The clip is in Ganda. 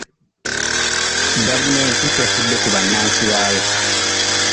Gavumenti tefudde ku bannansi baayo.